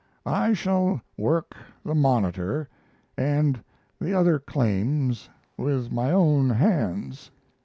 I shall work the "Monitor" and the other claims with my own hands.